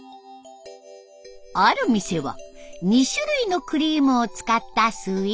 ある店は２種類のクリームを使ったスイーツ。